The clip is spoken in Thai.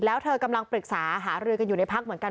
แล้วเธอกำลังปรึกษาหารือกันอยู่ในพักเหมือนกัน